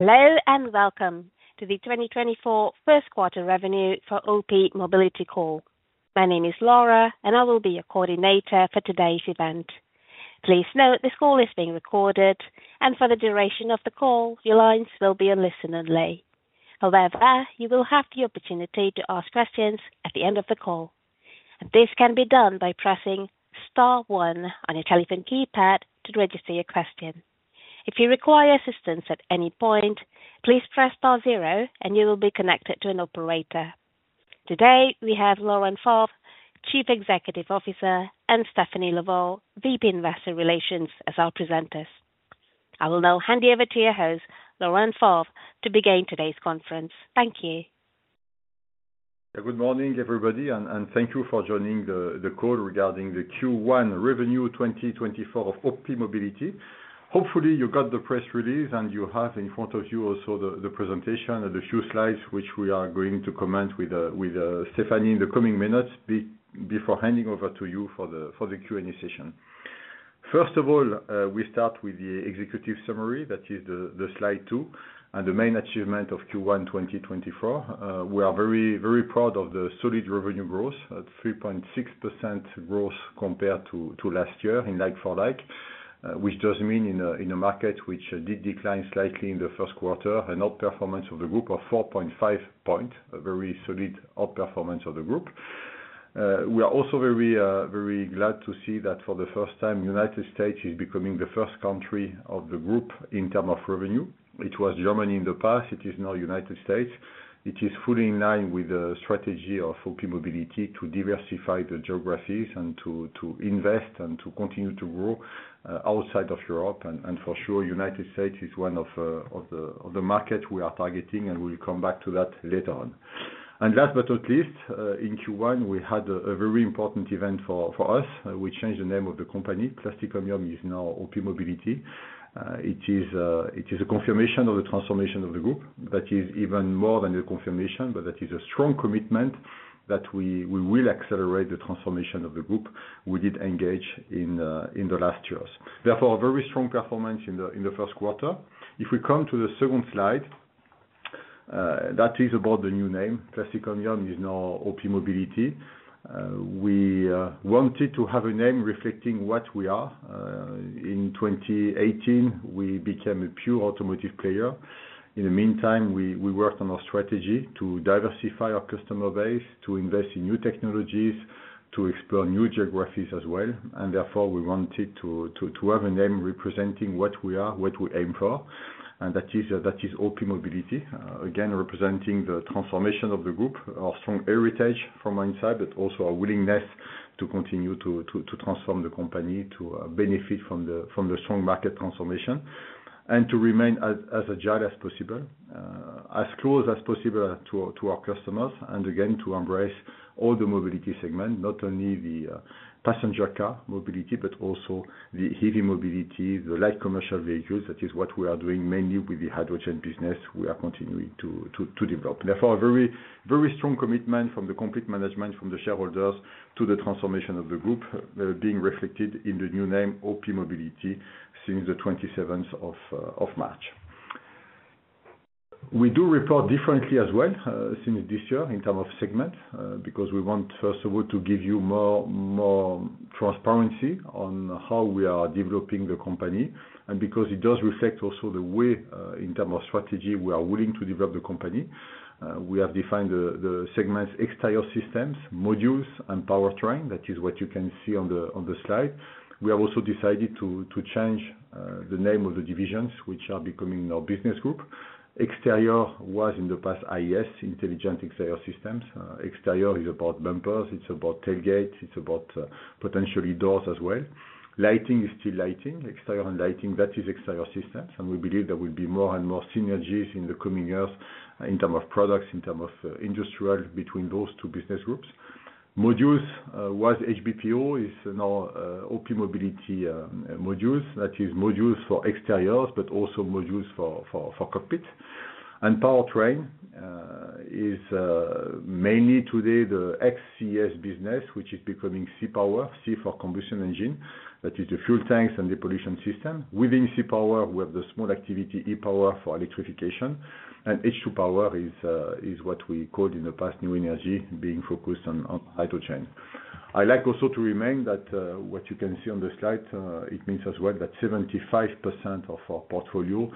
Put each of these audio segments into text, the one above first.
Hello and welcome to the 2024 first quarter revenue for OPmobility call. My name is Laura, and I will be your coordinator for today's event. Please note this call is being recorded, and for the duration of the call your lines will be on listen-only. However, you will have the opportunity to ask questions at the end of the call, and this can be done by pressing star star on your telephone keypad to register your question. If you require assistance at any point, please press star zero and you will be connected to an operator. Today we have Laurent Favre, Chief Executive Officer, and Stéphanie Laval, VP Investor Relations, as our presenters. I will now hand you over to your host, Laurent Favre, to begin today's conference. Thank you. Good morning, everybody, and thank you for joining the call regarding the Q1 revenue 2024 of OPmobility. Hopefully you got the press release and you have in front of you also the presentation and a few slides which we are going to comment with Stéphanie in the coming minutes before handing over to you for the Q&A session. First of all, we start with the executive summary, that is the slide two, and the main achievement of Q1 2024. We are very, very proud of the solid revenue growth at 3.6% growth compared to last year in like-for-like, which does mean in a market which did decline slightly in the first quarter, an outperformance of the group of 4.5 points, a very solid outperformance of the group. We are also very, very glad to see that for the first time the United States is becoming the first country of the group in terms of revenue. It was Germany in the past, it is now United States. It is fully in line with the strategy of OPmobility to diversify the geographies and to invest and to continue to grow outside of Europe. And for sure, the United States is one of the markets we are targeting, and we will come back to that later on. And last but not least, in Q1 we had a very important event for us. We changed the name of the company. Plastic Omnium is now OPmobility. It is a confirmation of the transformation of the group. That is even more than a confirmation, but that is a strong commitment that we will accelerate the transformation of the group we did engage in the last years. Therefore, a very strong performance in the first quarter. If we come to the second slide, that is about the new name. Plastic Omnium is now OPmobility. We wanted to have a name reflecting what we are. In 2018, we became a pure automotive player. In the meantime, we worked on our strategy to diversify our customer base, to invest in new technologies, to explore new geographies as well. And therefore, we wanted to have a name representing what we are, what we aim for, and that is OPmobility. Again, representing the transformation of the group, our strong heritage from our inside, but also our willingness to continue to transform the company, to benefit from the strong market transformation, and to remain as agile as possible, as close as possible to our customers, and again, to embrace all the mobility segments, not only the passenger car mobility, but also the heavy mobility, the light commercial vehicles. That is what we are doing mainly with the hydrogen business we are continuing to develop. Therefore, a very, very strong commitment from the complete management, from the shareholders, to the transformation of the group being reflected in the new name OPmobility since the 27th of March. We do report differently as well since this year in terms of segment because we want, first of all, to give you more transparency on how we are developing the company. Because it does reflect also the way, in terms of strategy, we are willing to develop the company, we have defined the segments exterior systems, modules, and powertrain. That is what you can see on the slide. We have also decided to change the name of the divisions, which are becoming now business group. Exterior was in the past IES, Intelligent Exterior Systems. Exterior is about bumpers, it's about tailgates, it's about potentially doors as well. Lighting is still lighting. Exterior and lighting, that is exterior systems. And we believe there will be more and more synergies in the coming years in terms of products, in terms of industrial between those two business groups. Modules was HBPO, is now OPmobility modules. That is modules for exteriors, but also modules for cockpit. And powertrain is mainly today the XCS business, which is becoming C-Power, C for combustion engine. That is the fuel tanks and depollution system. Within C-Power, we have the small activity E-Power for electrification. And H2-Power is what we called in the past new energy, being focused on hydrogen. I like also to remind that what you can see on the slide, it means as well that 75% of our portfolio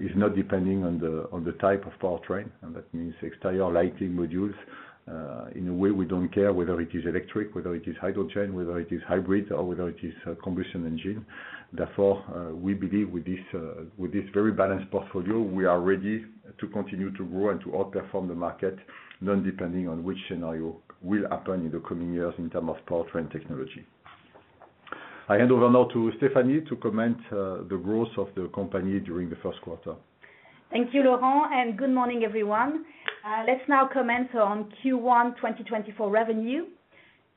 is not depending on the type of powertrain. And that means exterior lighting modules. In a way, we don't care whether it is electric, whether it is hydrogen, whether it is hybrid, or whether it is combustion engine. Therefore, we believe with this very balanced portfolio, we are ready to continue to grow and to outperform the market, non-depending on which scenario will happen in the coming years in terms of powertrain technology. I hand over now to Stéphanie to comment the growth of the company during the first quarter. Thank you, Laurent, and good morning, everyone. Let's now comment on Q1 2024 revenue.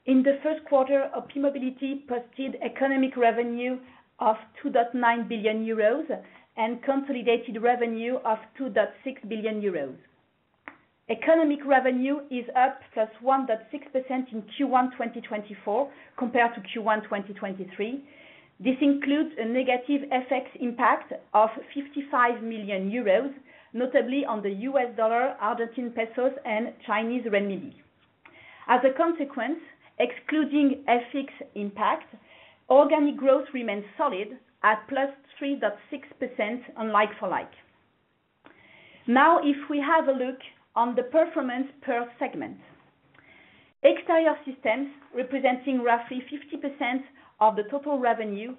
In the first quarter, OPmobility posted economic revenue of 2.9 billion euros and consolidated revenue of 2.6 billion euros. Economic revenue is up +1.6% in Q1 2024 compared to Q1 2023. This includes a negative FX impact of 55 million euros, notably on the U.S dollar, Argentine pesos, and Chinese renminbi. As a consequence, excluding FX impact, organic growth remains solid at +3.6% on like-for-like. Now, if we have a look on the performance per segment, exterior systems representing roughly 50% of the total revenue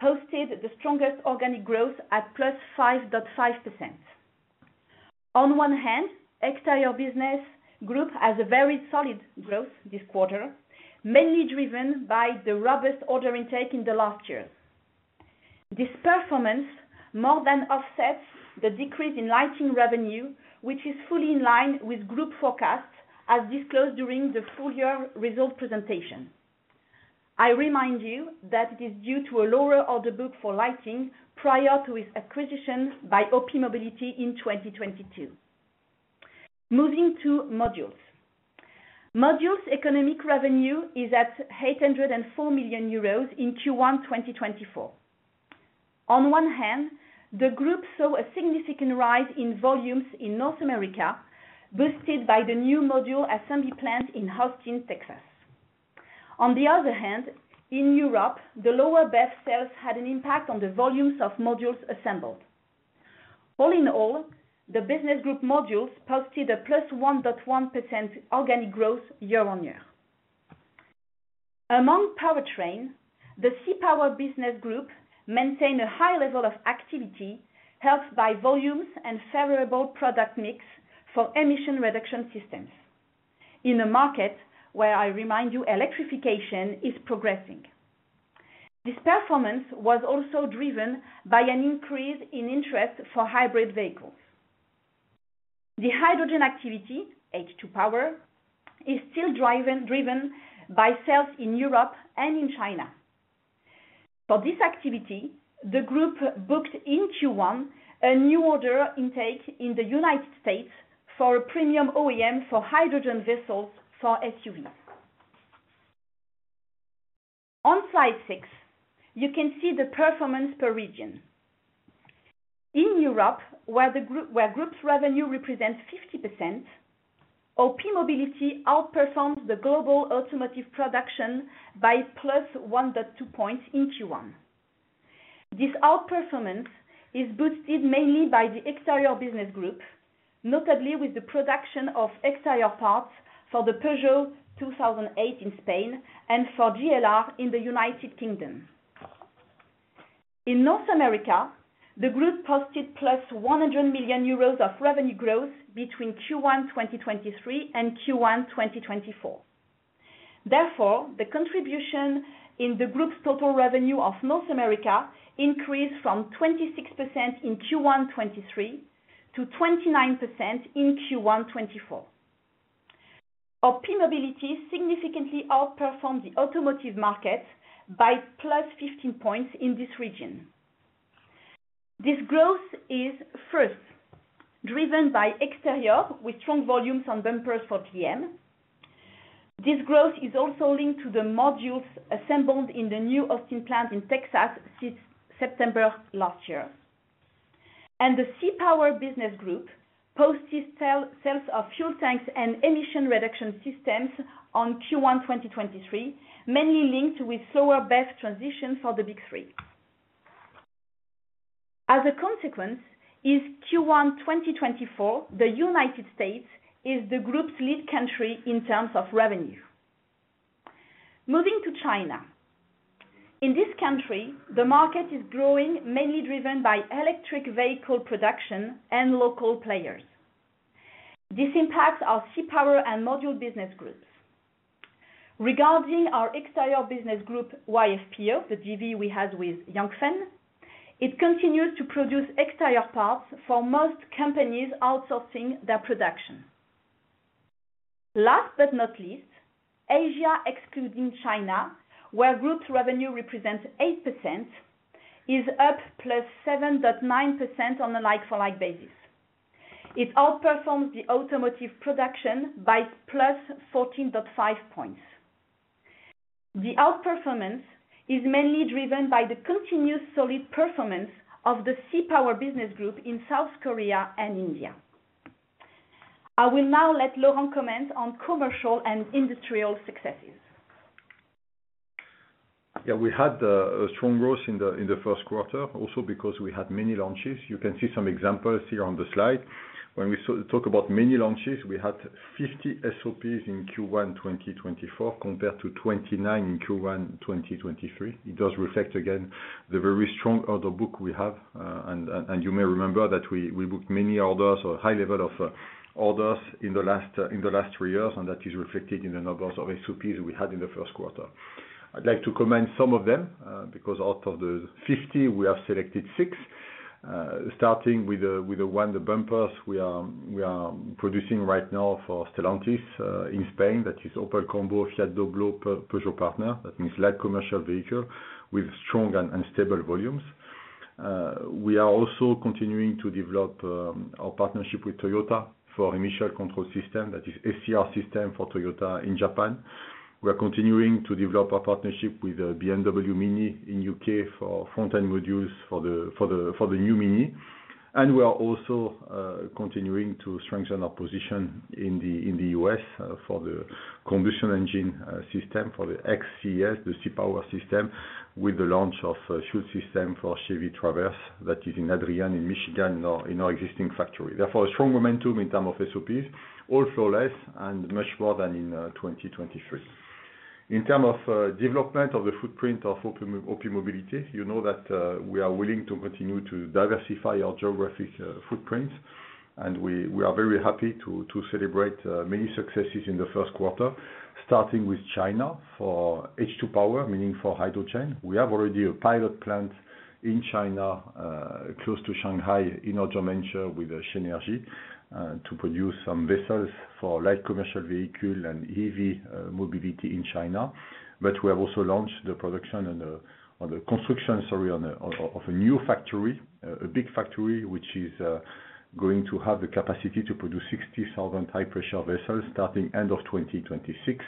posted the strongest organic growth at +5.5%. On one hand, exterior business group has a very solid growth this quarter, mainly driven by the robust order intake in the last years. This performance more than offsets the decrease in lighting revenue, which is fully in line with group forecasts as disclosed during the full-year result presentation. I remind you that it is due to a lower order book for lighting prior to its acquisition by OPmobility in 2022. Moving to modules. Modules economic revenue is at 804 million euros in Q1 2024. On one hand, the group saw a significant rise in volumes in North America, boosted by the new module assembly plant in Austin, Texas. On the other hand, in Europe, the lower BEV sales had an impact on the volumes of modules assembled. All in all, the business group modules posted a +1.1% organic growth year-on-year. Among powertrain, the C-Power business group maintained a high level of activity helped by volumes and favorable product mix for emission reduction systems in a market where, I remind you, electrification is progressing. This performance was also driven by an increase in interest for hybrid vehicles. The hydrogen activity, H2-Power, is still driven by sales in Europe and in China. For this activity, the group booked in Q1 a new order intake in the United States for a premium OEM for hydrogen vessels for SUVs. On slide six, you can see the performance per region. In Europe, where group's revenue represents 50%, OPmobility outperforms the global automotive production by +1.2 points in Q1. This outperformance is boosted mainly by the exterior business group, notably with the production of exterior parts for the Peugeot 2008 in Spain and for JLR in the United Kingdom. In North America, the group posted +100 million euros of revenue growth between Q1 2023 and Q1 2024. Therefore, the contribution in the group's total revenue of North America increased from 26% in Q1 2023 to 29% in Q1 2024. OPmobility significantly outperformed the automotive market by plus 15 points in this region. This growth is, first, driven by exterior with strong volumes on bumpers for GM. This growth is also linked to the modules assembled in the new Austin plant in Texas since September last year. And the C-Power business group posted sales of fuel tanks and emission reduction systems on Q1 2023, mainly linked with slower BEV transition for the Big Three. As a consequence, in Q1 2024, the United States is the group's lead country in terms of revenue. Moving to China. In this country, the market is growing mainly driven by electric vehicle production and local players. This impacts our C-Power and Modules business groups. Regarding our Exterior Systems business group, YFPO, the JV we have with Yanfeng, it continues to produce exterior parts for most companies outsourcing their production. Last but not least, Asia excluding China, where group's revenue represents 8%, is up +7.9% on a like-for-like basis. It outperforms the automotive production by +14.5 points. The outperformance is mainly driven by the continuous solid performance of the C-Power business group in South Korea and India. I will now let Laurent comment on commercial and industrial successes. Yeah, we had a strong growth in the first quarter, also because we had many launches. You can see some examples here on the slide. When we talk about many launches, we had 50 SOPs in Q1 2024 compared to 29 in Q1 2023. It does reflect, again, the very strong order book we have. And you may remember that we booked many orders or a high level of orders in the last three years, and that is reflected in the numbers of SOPs we had in the first quarter. I'd like to comment some of them because out of the 50, we have selected six, starting with the one, the bumpers, we are producing right now for Stellantis in Spain. That is Opel Combo, Fiat Doblò, Peugeot Partner. That means light commercial vehicle with strong and stable volumes. We are also continuing to develop our partnership with Toyota for emission control system. That is SCR system for Toyota in Japan. We are continuing to develop our partnership with BMW Mini in the U.K. for front-end modules for the new Mini. We are also continuing to strengthen our position in the U.S. for the combustion engine system, for the SCRs, the C-Power system, with the launch of an SCR system for Chevy Traverse that is in Adrian, in Michigan, in our existing factory. Therefore, a strong momentum in terms of SOPs, all flawless and much more than in 2023. In terms of development of the footprint of OPmobility, you know that we are willing to continue to diversify our geographic footprints. We are very happy to celebrate many successes in the first quarter, starting with China for H2-Power, meaning for hydrogen. We have already a pilot plant in China close to Shanghai in our joint venture with Shenergy to produce some vessels for light commercial vehicle and heavy mobility in China. But we have also launched the production and the construction, sorry, of a new factory, a big factory, which is going to have the capacity to produce 60,000 high-pressure vessels starting end of 2026.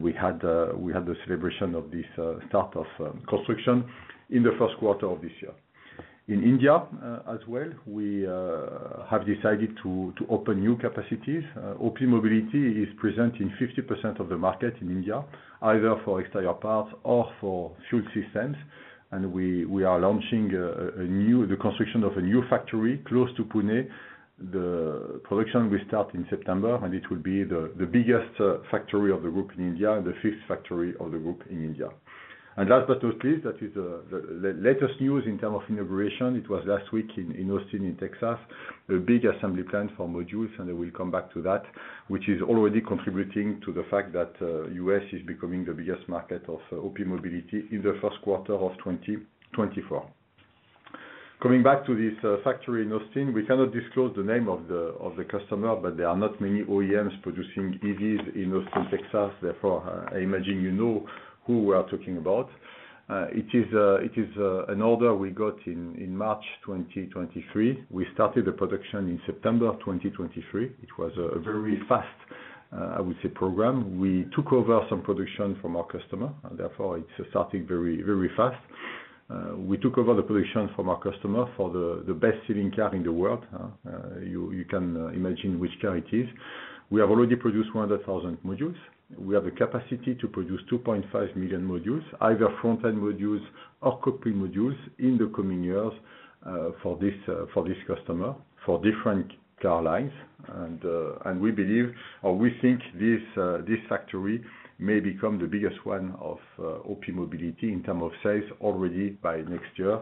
We had the celebration of this start of construction in the first quarter of this year. In India as well, we have decided to open new capacities. OPmobility is present in 50% of the market in India, either for exterior parts or for fuel systems. We are launching the construction of a new factory close to Pune. The production will start in September, and it will be the biggest factory of the group in India and the fifth factory of the group in India. Last but not least, that is the latest news in terms of inauguration. It was last week in Austin, Texas, a big assembly plant for modules. I will come back to that, which is already contributing to the fact that the U.S. is becoming the biggest market of OPmobility in the first quarter of 2024. Coming back to this factory in Austin, we cannot disclose the name of the customer, but there are not many OEMs producing EVs in Austin, Texas. Therefore, I imagine you know who we are talking about. It is an order we got in March 2023. We started the production in September 2023. It was a very fast, I would say, program. We took over some production from our customer. Therefore, it's starting very, very fast. We took over the production from our customer for the best-selling car in the world. You can imagine which car it is. We have already produced 100,000 modules. We have the capacity to produce 2.5 million modules, either front-end modules or cockpit modules, in the coming years for this customer, for different car lines. We believe or we think this factory may become the biggest one of OPmobility in terms of sales already by next year.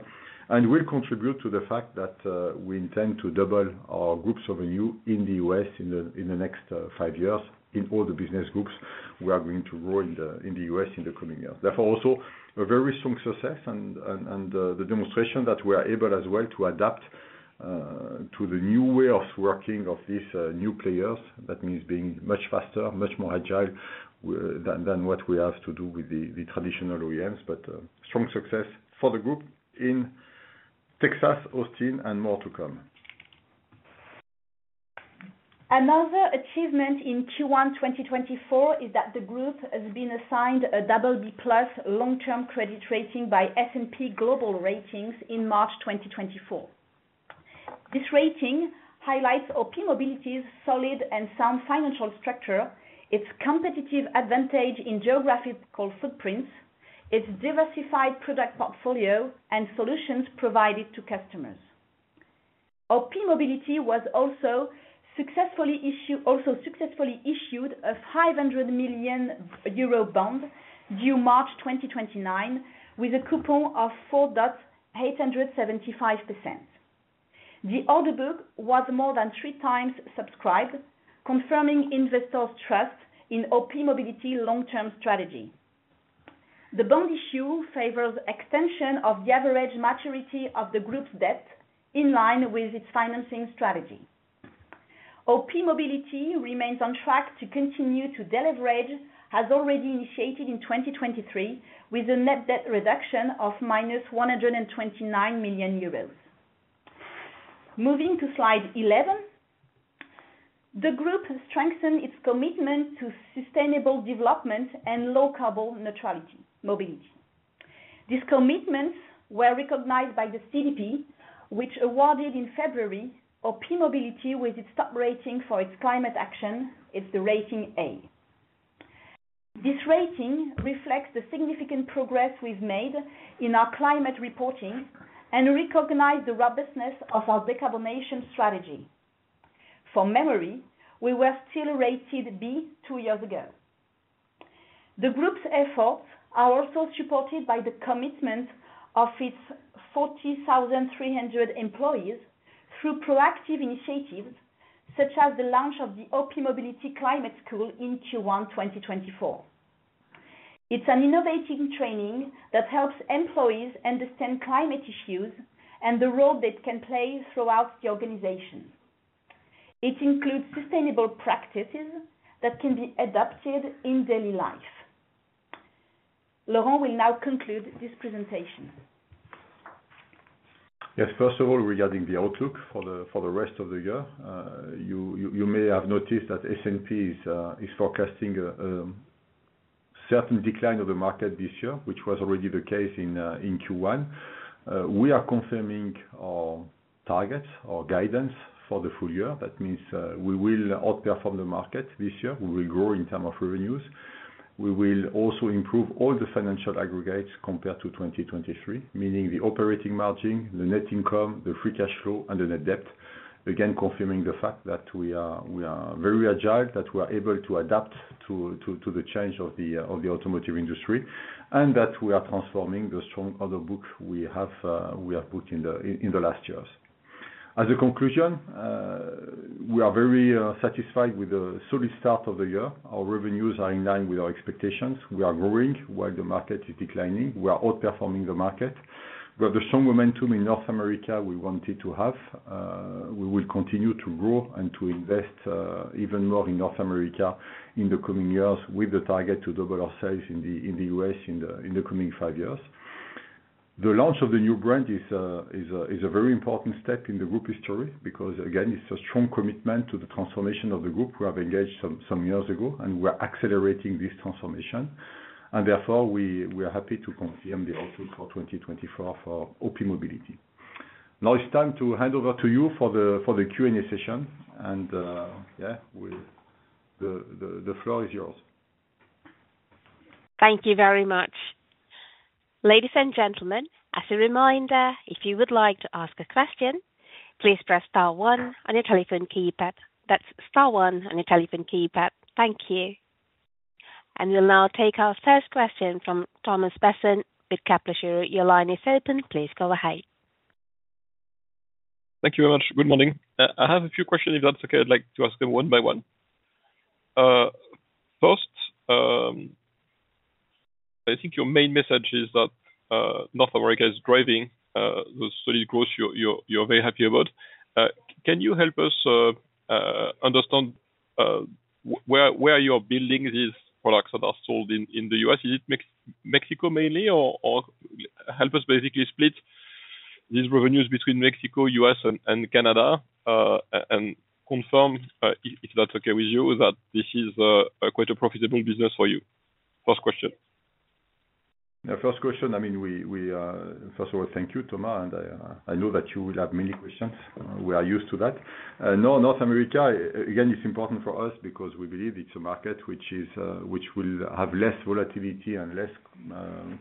We'll contribute to the fact that we intend to double our group's revenue in the U.S. in the next five years in all the business groups. We are going to grow in the U.S. in the coming years. Therefore, also a very strong success and the demonstration that we are able as well to adapt to the new way of working of these new players. That means being much faster, much more agile than what we have to do with the traditional OEMs. Strong success for the group in Texas, Austin, and more to come. Another achievement in Q1 2024 is that the group has been assigned a BB+ long-term credit rating by S&P Global Ratings in March 2024. This rating highlights OPmobility's solid and sound financial structure, its competitive advantage in geographical footprints, its diversified product portfolio, and solutions provided to customers. OPmobility also successfully issued a 500 million euro bond due March 2029 with a coupon of 4.875%. The order book was more than three times subscribed, confirming investors' trust in OPmobility's long-term strategy. The bond issue favors extension of the average maturity of the group's debt in line with its financing strategy. OPmobility remains on track to continue to deleverage as already initiated in 2023 with a net debt reduction of minus 129 million euros. Moving to slide 11, the group strengthened its commitment to sustainable development and low-carbon neutrality, mobility. This commitment was recognized by the CDP, which awarded in February OPmobility with its top rating for its climate action. It's the rating A. This rating reflects the significant progress we've made in our climate reporting and recognized the robustness of our decarbonation strategy. For memory, we were still rated B two years ago. The group's efforts are also supported by the commitment of its 40,300 employees through proactive initiatives such as the launch of the OPmobility Climate School in Q1 2024. It's an innovative training that helps employees understand climate issues and the role they can play throughout the organization. It includes sustainable practices that can be adopted in daily life. Laurent will now conclude this presentation. Yes, first of all, regarding the outlook for the rest of the year, you may have noticed that S&P is forecasting a certain decline of the market this year, which was already the case in Q1. We are confirming our targets, our guidance for the full year. That means we will outperform the market this year. We will grow in terms of revenues. We will also improve all the financial aggregates compared to 2023, meaning the operating margin, the net income, the free cash flow, and the net debt, again confirming the fact that we are very agile, that we are able to adapt to the change of the automotive industry, and that we are transforming the strong order book we have booked in the last years. As a conclusion, we are very satisfied with the solid start of the year. Our revenues are in line with our expectations. We are growing while the market is declining. We are outperforming the market. We have the strong momentum in North America we wanted to have. We will continue to grow and to invest even more in North America in the coming years with the target to double our sales in the U.S. in the coming five years. The launch of the new brand is a very important step in the group history because, again, it's a strong commitment to the transformation of the group we have engaged some years ago, and we are accelerating this transformation. And therefore, we are happy to confirm the outlook for 2024 for OPmobility. Now it's time to hand over to you for the Q&A session. Yeah, the floor is yours. Thank you very much. Ladies and gentlemen, as a reminder, if you would like to ask a question, please press star one on your telephone keypad. That's star one on your telephone keypad. Thank you. We'll now take our first question from Thomas Besson with Kepler Cheuvreux. Your line is open. Please go ahead. Thank you very much. Good morning. I have a few questions, if that's okay. I'd like to ask them one by one. First, I think your main message is that North America is driving the solid growth you're very happy about. Can you help us understand where you're building these products that are sold in the U.S.? Is it Mexico mainly, or help us basically split these revenues between Mexico, U.S., and Canada and confirm, if that's okay with you, that this is quite a profitable business for you? First question. Yeah, first question. I mean, first of all, thank you, Thomas. I know that you will have many questions. We are used to that. No, North America, again, it's important for us because we believe it's a market which will have less volatility and less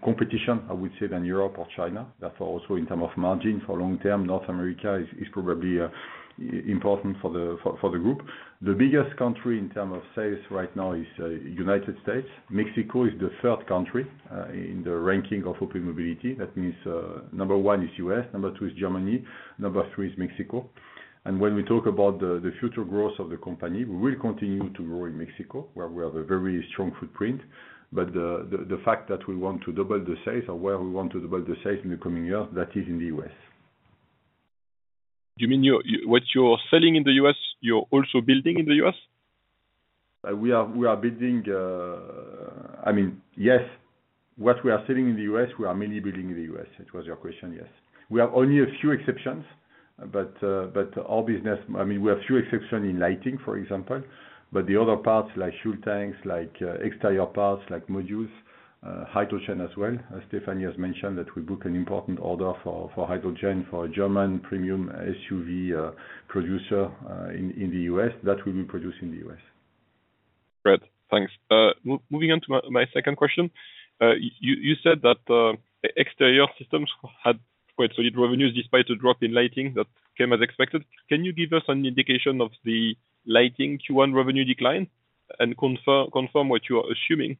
competition, I would say, than Europe or China. Therefore, also in terms of margin for long term, North America is probably important for the group. The biggest country in terms of sales right now is the United States. Mexico is the third country in the ranking of OPmobility. That means number 1 is U.S. Number two is Germany. Number three is Mexico. When we talk about the future growth of the company, we will continue to grow in Mexico, where we have a very strong footprint, but the fact that we want to double the sales or where we want to double the sales in the coming years, that is in the U.S. You mean what you're selling in the U.S., you're also building in the U.S.? We are building. I mean, yes. What we are selling in the U.S., we are mainly building in the U.S. It was your question, yes. We have only a few exceptions. But our business, I mean, we have a few exceptions in lighting, for example. But the other parts, like fuel tanks, like exterior parts, like modules, hydrogen as well. Stéphanie has mentioned that we booked an important order for hydrogen for a German premium SUV producer in the U.S. That will be produced in the U.S. Great. Thanks. Moving on to my second question, you said that exterior systems had quite solid revenues despite a drop in lighting that came as expected. Can you give us an indication of the lighting Q1 revenue decline and confirm what you are assuming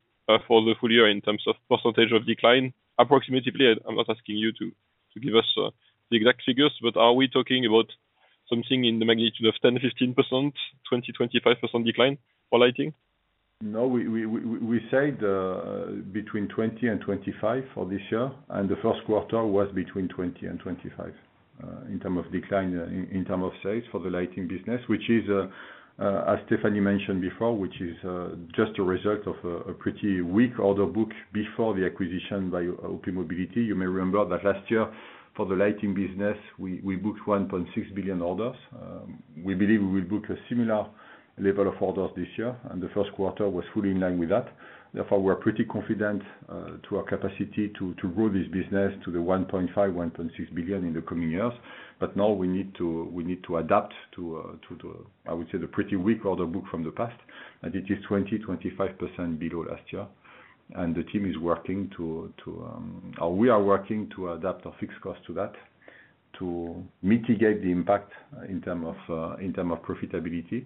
for the full year in terms of percentage of decline? Approximately, I'm not asking you to give us the exact figures, but are we talking about something in the magnitude of 10%, 15%, 20%, 25% decline for lighting? No, we said between 20%-25% for this year. And the first quarter was between 20%-25% in terms of decline in terms of sales for the lighting business, which is, as Stéphanie mentioned before, which is just a result of a pretty weak order book before the acquisition by OPmobility. You may remember that last year, for the lighting business, we booked 1.6 billion orders. We believe we will book a similar level of orders this year. And the first quarter was fully in line with that. Therefore, we are pretty confident to our capacity to grow this business to the 1.5-1.6 billion in the coming years. But now we need to adapt to, I would say, the pretty weak order book from the past. And it is 20%-25% below last year. The team is working to or we are working to adapt our fixed cost to that to mitigate the impact in terms of profitability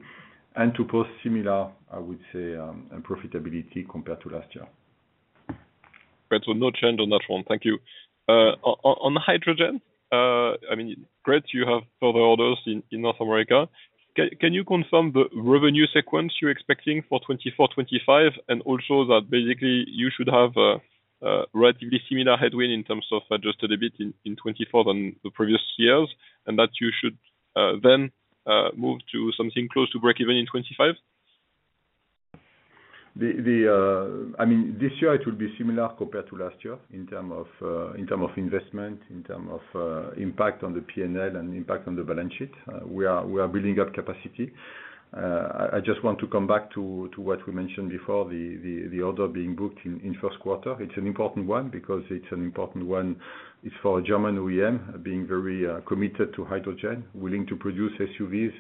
and to post similar, I would say, profitability compared to last year. Great. So no change on that one. Thank you. On hydrogen, I mean, great. You have further orders in North America. Can you confirm the revenue sequence you're expecting for 2024, 2025 and also that basically you should have a relatively similar headwind in terms of adjusted EBIT in 2024 than the previous years and that you should then move to something close to breakeven in 2025? I mean, this year, it will be similar compared to last year in terms of investment, in terms of impact on the P&L and impact on the balance sheet. We are building up capacity. I just want to come back to what we mentioned before, the order being booked in first quarter. It's an important one because it's an important one. It's for a German OEM being very committed to hydrogen, willing to produce SUVs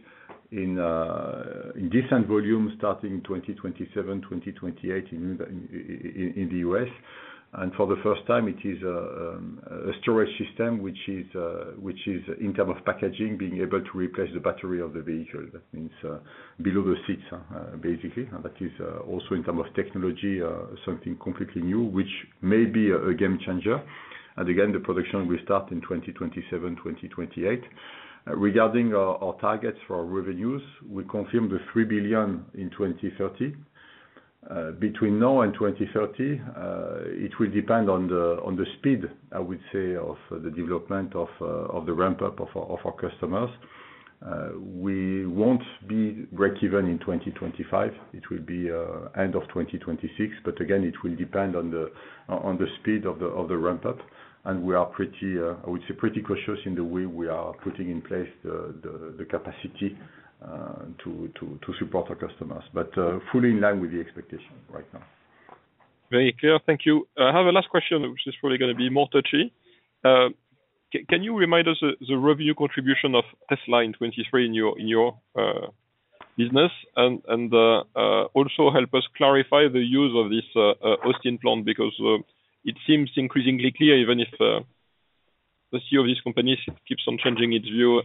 in decent volume starting 2027, 2028 in the U.S. And for the first time, it is a storage system which is, in terms of packaging, being able to replace the battery of the vehicle. That means below the seats, basically. And that is also in terms of technology, something completely new, which may be a game changer. And again, the production will start in 2027, 2028. Regarding our targets for revenues, we confirm the 3 billion in 2030. Between now and 2030, it will depend on the speed, I would say, of the development of the ramp-up of our customers. We won't be breakeven in 2025. It will be end of 2026. But again, it will depend on the speed of the ramp-up. And we are pretty, I would say, pretty cautious in the way we are putting in place the capacity to support our customers, but fully in line with the expectation right now. Very clear. Thank you. I have a last question, which is probably going to be more touchy. Can you remind us the revenue contribution of Tesla in 2023 in your business and also help us clarify the use of this Austin plant because it seems increasingly clear, even if the CEO of this company keeps on changing its view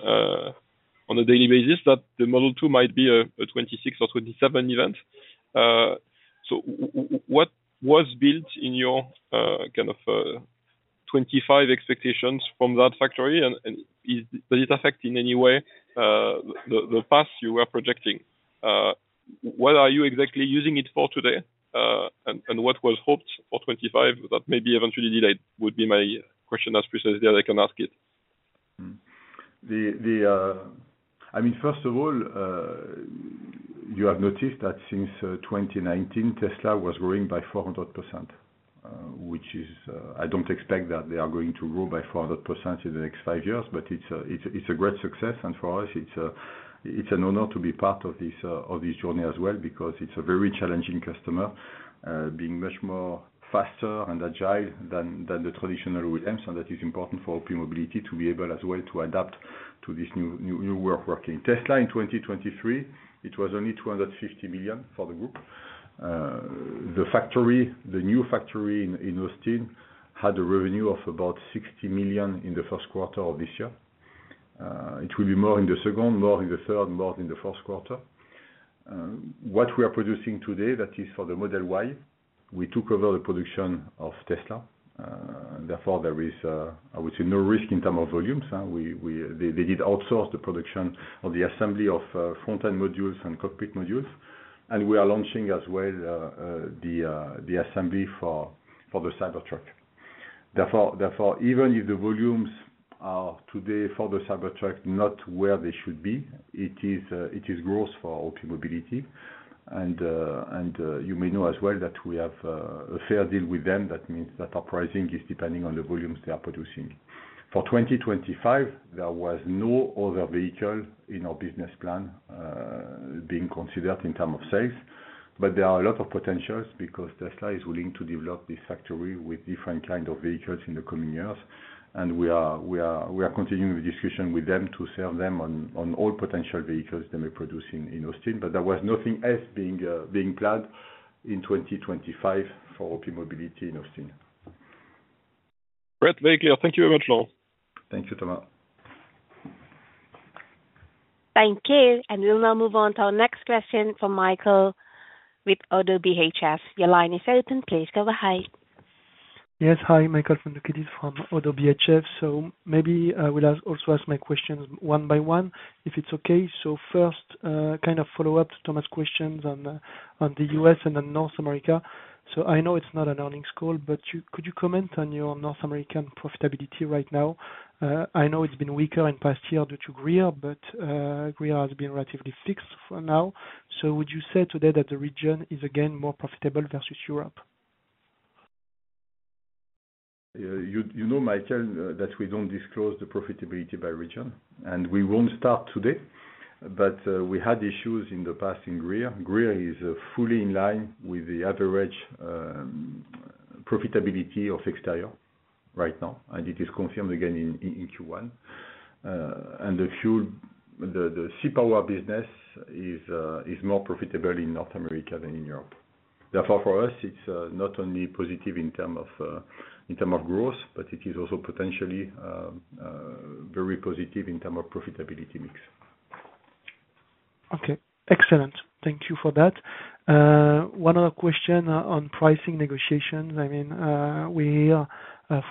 on a daily basis, that the Model 2 might be a 2026 or 2027 event? So what was built in your kind of 2025 expectations from that factory? And does it affect in any way the path you were projecting? What are you exactly using it for today? And what was hoped for 2025 that may be eventually delayed would be my question. As precisely as I can ask it. I mean, first of all, you have noticed that since 2019, Tesla was growing by 400%, which is, I don't expect that they are going to grow by 400% in the next five years. But it's a great success. And for us, it's an honor to be part of this journey as well because it's a very challenging customer, being much more faster and agile than the traditional OEMs. And that is important for OPmobility to be able as well to adapt to this new way of working. Tesla, in 2023, it was only 250 million for the group. The new factory in Austin had a revenue of about 60 million in the first quarter of this year. It will be more in the second, more in the third, more in the fourth quarter. What we are producing today, that is for the Model Y, we took over the production of Tesla. Therefore, there is, I would say, no risk in terms of volumes. They did outsource the production of the assembly of front-end modules and cockpit modules. We are launching as well the assembly for the Cybertruck. Therefore, even if the volumes are today for the Cybertruck not where they should be, it is growth for OPmobility. You may know as well that we have a fair deal with them. That means that our pricing is depending on the volumes they are producing. For 2025, there was no other vehicle in our business plan being considered in terms of sales. But there are a lot of potentials because Tesla is willing to develop this factory with different kinds of vehicles in the coming years. We are continuing the discussion with them to serve them on all potential vehicles they may produce in Austin. But there was nothing else being planned in 2025 for OPmobility in Austin. Great. Thank you very much, Laurent. Thank you, Thomas. Thank you. We'll now move on to our next question from Michael with ODDO BHF. Your line is open. Please go ahead. Yes. Hi, Michael Foundoukidis from ODDO BHF. So maybe I will also ask my questions one by one, if it's okay. So first, kind of follow-up to Thomas' questions on the U.S. and then North America. So I know it's not an earnings call, but could you comment on your North American profitability right now? I know it's been weaker in past year due to greer, but greer has been relatively fixed for now. So would you say today that the region is, again, more profitable versus Europe? You know, Michael, that we don't disclose the profitability by region. We won't start today. But we had issues in the past in Greer. Greer is fully in line with the average profitability of exterior right now. It is confirmed, again, in Q1. The C-Power business is more profitable in North America than in Europe. Therefore, for us, it's not only positive in terms of growth, but it is also potentially very positive in terms of profitability mix. Okay. Excellent. Thank you for that. One other question on pricing negotiations. I mean, we hear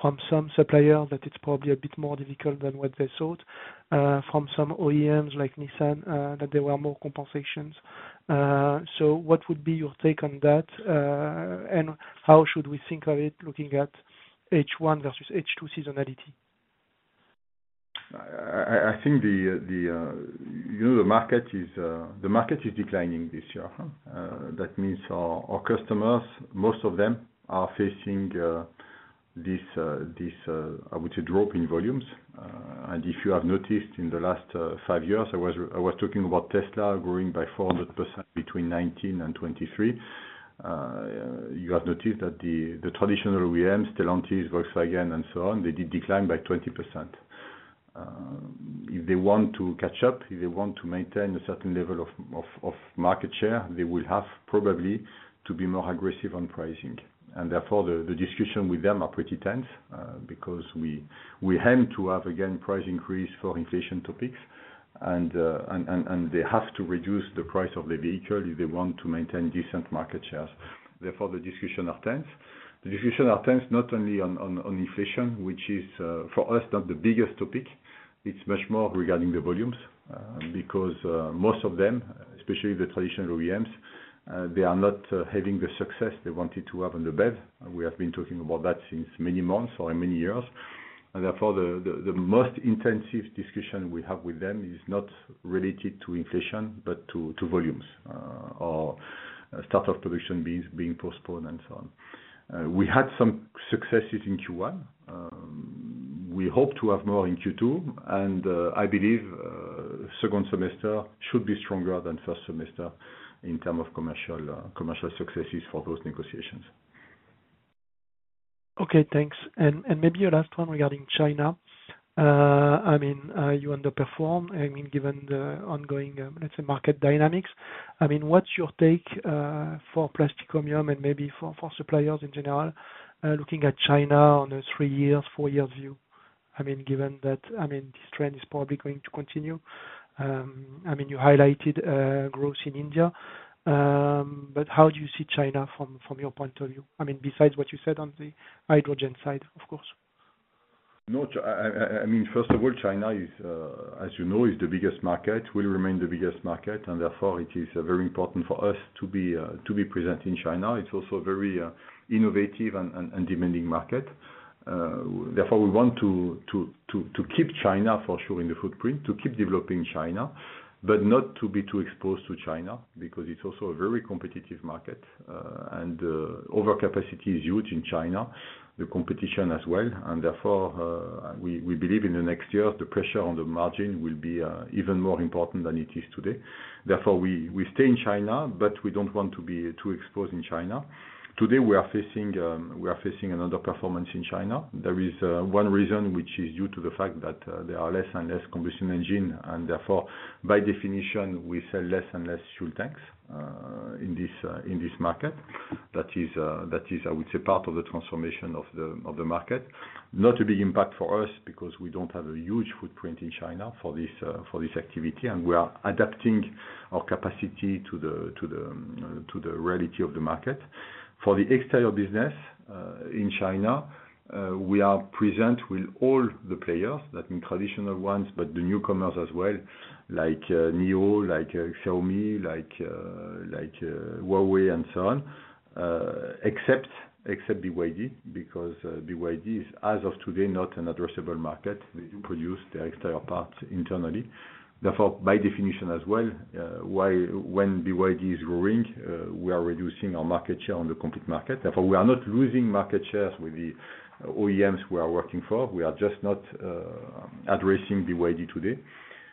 from some suppliers that it's probably a bit more difficult than what they thought, from some OEMs like Nissan, that there were more compensations. So what would be your take on that? And how should we think of it looking at H1 versus H2 seasonality? I think the market is declining this year. That means our customers, most of them, are facing this, I would say, drop in volumes. If you have noticed in the last five years, I was talking about Tesla growing by 400% between 2019 and 2023. You have noticed that the traditional OEMs, Stellantis, Volkswagen, and so on, they did decline by 20%. If they want to catch up, if they want to maintain a certain level of market share, they will have probably to be more aggressive on pricing. Therefore, the discussion with them are pretty tense because we aim to have, again, price increase for inflation topics. And they have to reduce the price of their vehicle if they want to maintain decent market shares. Therefore, the discussions are tense. The discussions are tense not only on inflation, which is, for us, not the biggest topic. It's much more regarding the volumes because most of them, especially the traditional OEMs, they are not having the success they wanted to have on the BEV. We have been talking about that since many months or many years. And therefore, the most intensive discussion we have with them is not related to inflation, but to volumes or start of production being postponed and so on. We had some successes in Q1. We hope to have more in Q2. And I believe second semester should be stronger than first semester in terms of commercial successes for those negotiations. Okay. Thanks. And maybe a last one regarding China. I mean, you underperform, I mean, given the ongoing, let's say, market dynamics. I mean, what's your take for Plastic Omnium and maybe for suppliers in general looking at China on a three-year, four-year view, I mean, given that, I mean, this trend is probably going to continue? I mean, you highlighted growth in India. But how do you see China from your point of view, I mean, besides what you said on the hydrogen side, of course? No. I mean, first of all, China, as you know, is the biggest market, will remain the biggest market. Therefore, it is very important for us to be present in China. It's also a very innovative and demanding market. Therefore, we want to keep China, for sure, in the footprint, to keep developing China, but not to be too exposed to China because it's also a very competitive market. Overcapacity is huge in China, the competition as well. Therefore, we believe in the next years, the pressure on the margin will be even more important than it is today. Therefore, we stay in China, but we don't want to be too exposed in China. Today, we are facing an underperformance in China. There is one reason, which is due to the fact that there are less and less combustion engines. And therefore, by definition, we sell less and less fuel tanks in this market. That is, I would say, part of the transformation of the market, not a big impact for us because we don't have a huge footprint in China for this activity. And we are adapting our capacity to the reality of the market. For the exterior business in China, we are present with all the players, that means traditional ones, but the newcomers as well, like NIO, like Xiaomi, like Huawei, and so on, except BYD because BYD is, as of today, not an addressable market. They do produce their exterior parts internally. Therefore, by definition as well, when BYD is growing, we are reducing our market share on the complete market. Therefore, we are not losing market shares with the OEMs we are working for. We are just not addressing BYD today.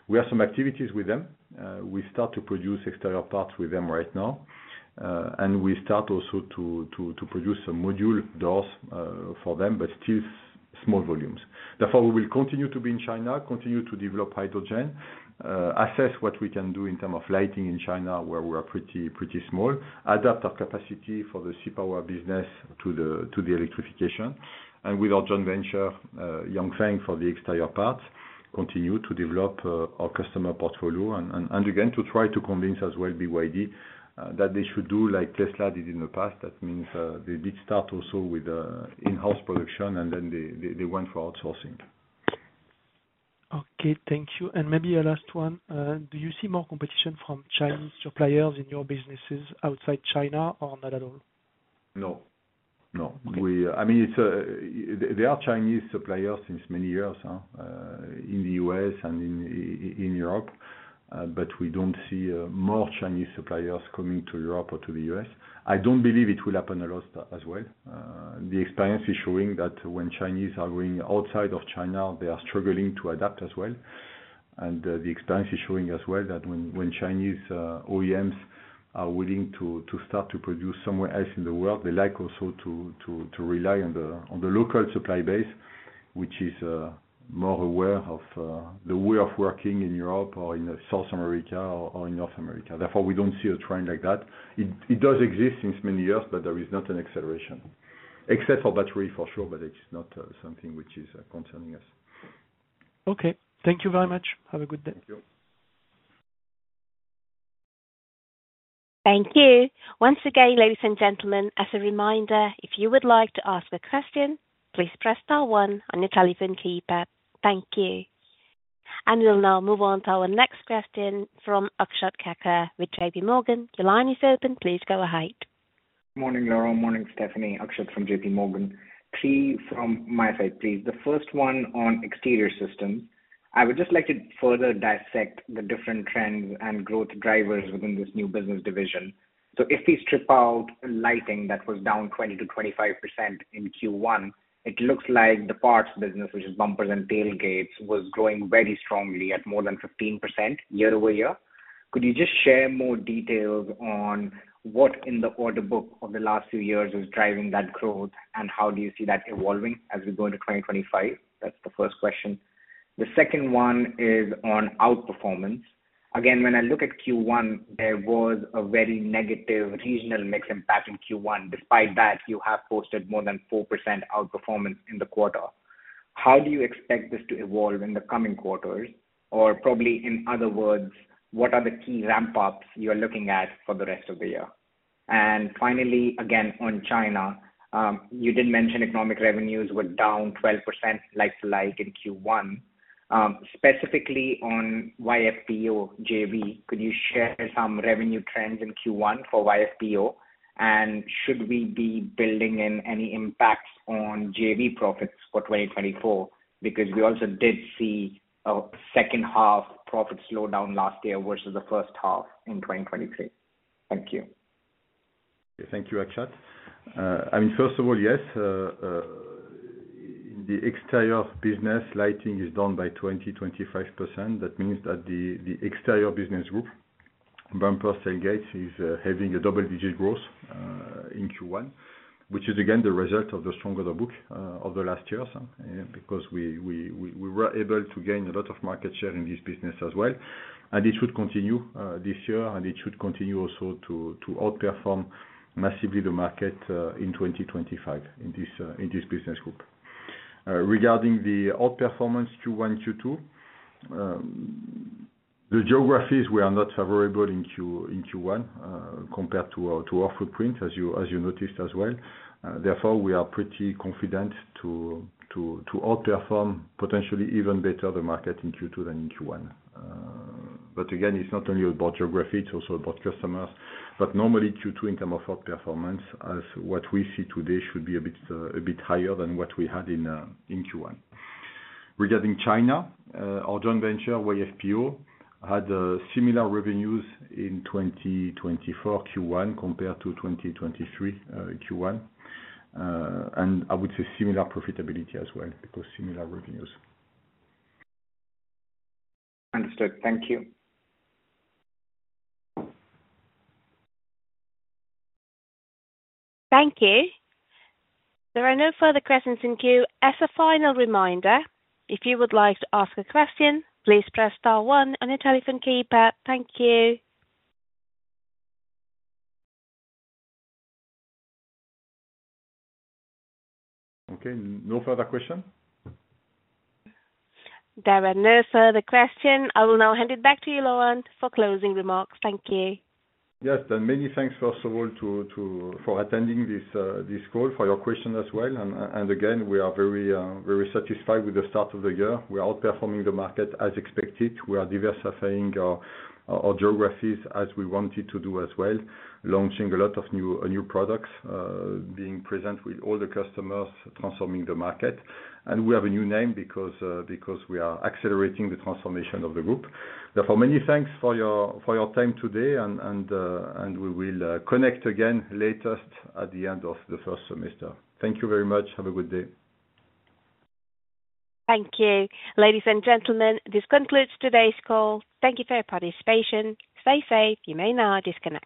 We have some activities with them. We start to produce exterior parts with them right now. We start also to produce some module doors for them, but still small volumes. Therefore, we will continue to be in China, continue to develop hydrogen, assess what we can do in terms of lighting in China, where we are pretty small, adapt our capacity for the C-Power business to the electrification. And with our joint venture, Yanfeng, for the exterior parts, continue to develop our customer portfolio and, again, to try to convince as well BYD that they should do like Tesla did in the past. That means they did start also with in-house production, and then they went for outsourcing. Okay. Thank you. And maybe a last one. Do you see more competition from Chinese suppliers in your businesses outside China or not at all? No. No. I mean, there are Chinese suppliers since many years in the U.S. and in Europe. But we don't see more Chinese suppliers coming to Europe or to the U.S. I don't believe it will happen a lot as well. The experience is showing that when Chinese are going outside of China, they are struggling to adapt as well. And the experience is showing as well that when Chinese OEMs are willing to start to produce somewhere else in the world, they like also to rely on the local supply base, which is more aware of the way of working in Europe or in South America or in North America. Therefore, we don't see a trend like that. It does exist since many years, but there is not an acceleration, except for battery, for sure. But it's not something which is concerning us. Okay. Thank you very much. Have a good day. Thank you. Thank you. Once again, ladies and gentlemen, as a reminder, if you would like to ask a question, please press star one on your telephone keypad. Thank you. We'll now move on to our next question from Akshat Kacker with JPMorgan. Your line is open. Please go ahead. Good morning, Laurent. Morning, Stéphanie. Akshat from JPMorgan. Three from my side, please. The first one on exterior systems. I would just like to further dissect the different trends and growth drivers within this new business division. So if we strip out lighting that was down 20%-25% in Q1, it looks like the parts business, which is bumpers and tailgates, was growing very strongly at more than 15% year-over-year. Could you just share more details on what in the order book of the last few years is driving that growth, and how do you see that evolving as we go into 2025? That's the first question. The second one is on outperformance. Again, when I look at Q1, there was a very negative regional mix impact in Q1. Despite that, you have posted more than 4% outperformance in the quarter. How do you expect this to evolve in the coming quarters? Or probably, in other words, what are the key ramp-ups you are looking at for the rest of the year? And finally, again, on China, you did mention organic revenues were down 12% like-for-like in Q1. Specifically on YFPO, JV, could you share some revenue trends in Q1 for YFPO? And should we be building in any impacts on JV profits for 2024 because we also did see a second-half profit slowdown last year versus the first half in 2023? Thank you. Thank you, Akshat. I mean, first of all, yes. In the exterior business, lighting is down by 20%-25%. That means that the exterior business group, bumpers, tailgates, is having a double-digit growth in Q1, which is, again, the result of the stronger book of the last years because we were able to gain a lot of market share in this business as well. And it should continue this year. And it should continue also to outperform massively the market in 2025 in this business group. Regarding the outperformance Q1, Q2, the geographies, we are not favorable in Q1 compared to our footprint, as you noticed as well. Therefore, we are pretty confident to outperform potentially even better the market in Q2 than in Q1. But again, it's not only about geography. It's also about customers. Normally, Q2 in terms of outperformance, as what we see today, should be a bit higher than what we had in Q1. Regarding China, our joint venture, YFPO, had similar revenues in 2024 Q1 compared to 2023 Q1 and, I would say, similar profitability as well because similar revenues. Understood. Thank you. Thank you. There are no further questions in queue. As a final reminder, if you would like to ask a question, please press star one on your telephone keypad. Thank you. Okay. No further question? There are no further questions. I will now hand it back to you, Laurent, for closing remarks. Thank you. Yes. Then many thanks, first of all, for attending this call, for your question as well. And again, we are very satisfied with the start of the year. We are outperforming the market as expected. We are diversifying our geographies as we wanted to do as well, launching a lot of new products, being present with all the customers, transforming the market. And we have a new name because we are accelerating the transformation of the group. Therefore, many thanks for your time today. And we will connect again latest at the end of the first semester. Thank you very much. Have a good day. Thank you. Ladies and gentlemen, this concludes today's call. Thank you for your participation. Stay safe. You may now disconnect.